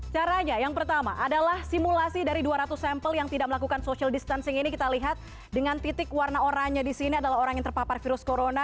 caranya yang pertama adalah simulasi dari dua ratus sampel yang tidak melakukan social distancing ini kita lihat dengan titik warna oranye di sini adalah orang yang terpapar virus corona